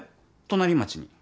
隣町に。